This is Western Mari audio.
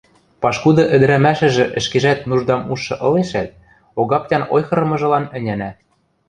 Пашкуды ӹдӹрӓмӓшӹжӹ ӹшкежӓт нуждам ужшы ылешӓт, Огаптян ойхырымыжылан ӹняна.